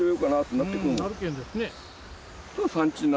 なるけんですね。